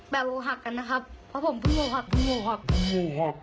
แบบโอ้คูหักกันนะครับเพราะผมเพิ่งโง่ว้าก